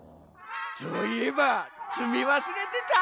そういえば積み忘れてた。